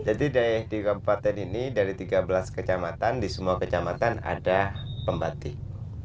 jadi di kabupaten ini dari tiga belas kecamatan di semua kecamatan ada pembatik